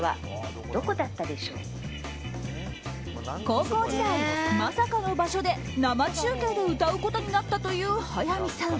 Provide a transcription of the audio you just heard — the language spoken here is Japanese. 高校時代、まさかの場所で生中継で歌うことになったという早見さん。